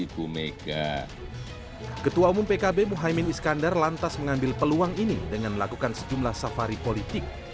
ketua umum pkb muhaymin iskandar lantas mengambil peluang ini dengan melakukan sejumlah safari politik